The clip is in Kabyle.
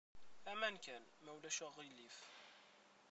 Aman kan, ma ulac aɣilif.